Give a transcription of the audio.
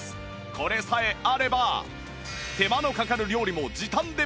これさえあれば手間のかかる料理も時短でプロ級の味！